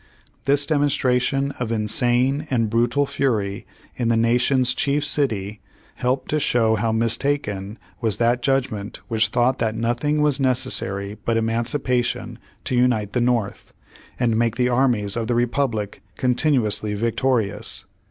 This demonstration of insane and brutal fury in the Nation's chief city, helped to show how mis taken was that judgment which thought that nothing was necessary but emancipation to unite the North, and make the armies of the Republic continuously victorious.